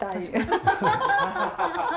アハハハハ！